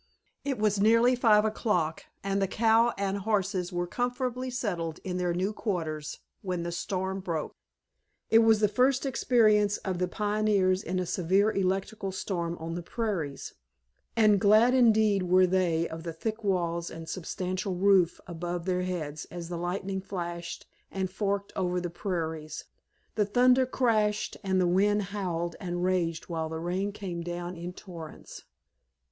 It was nearly five o'clock, and the cow and horses were comfortably settled in their new quarters, when the storm broke. It was the first experience of the pioneers in a severe electrical storm on the prairies, and glad indeed were they of the thick walls and substantial roof above their heads as the lightning flashed and forked over the prairies, the thunder crashed, and the wind howled and raged while the rain came down in torrents.